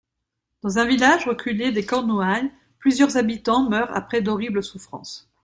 Dans un village reculé des Cornouailles, plusieurs habitants meurent après d'horribles souffrances.